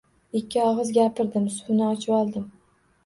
Ikki og‘iz gapirdim, suvni ochvoldim.